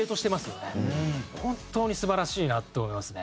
本当に素晴らしいなって思いますね。